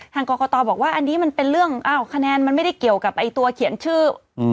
ทางกรกตบอกว่าอันนี้มันเป็นเรื่องอ้าวคะแนนมันไม่ได้เกี่ยวกับตัวเขียนชื่อ